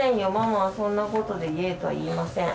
ママはそんなことでイエイとは言えません。